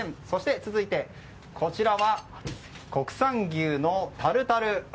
そしてこちらは国産牛のタルタル。